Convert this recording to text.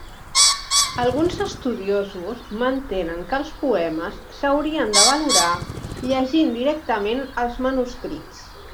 Alguns estudiosos mantenen que els poemes s'haurien de valorar llegint directament els manuscrits.